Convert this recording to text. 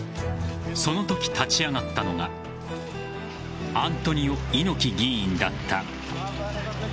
そのとき立ち上がったのがアントニオ猪木議員だった。